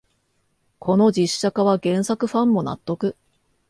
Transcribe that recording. この実写化は原作ファンも納得